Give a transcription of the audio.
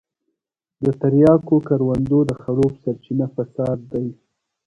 د تریاکو کروندو د خړوب سرچينه فساد دی.